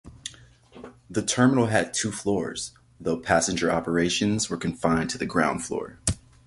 The terminal had two floors, though passenger operations were confined to the ground floor.